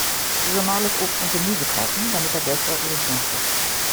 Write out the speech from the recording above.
Saisonales Obst und Gemüse kaufen, damit der Geldbeutel geschont wird.